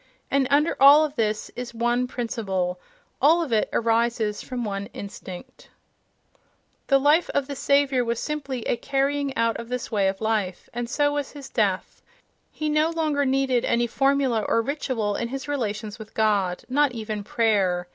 —And under all of this is one principle; all of it arises from one instinct.— Matthew v, 34. The life of the Saviour was simply a carrying out of this way of life—and so was his death.... He no longer needed any formula or ritual in his relations with God—not even prayer.